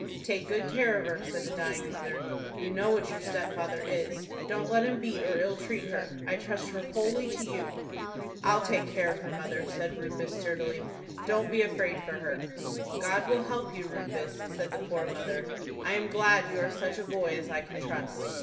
"Take good care of her," said the dying mother. "You know what your stepfather is. Don't let him beat or ill treat her. I trust her wholly to you." "I'll take care of her, mother," said Rufus, sturdily. "Don't be afraid for her." "God will help you, Rufus," said the poor mother "I am glad you are such a boy as I can trust."